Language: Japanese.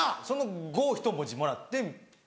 その「悟」をひと文字もらって。